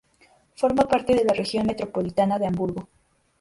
Forma parte de la región metropolitana de Hamburgo.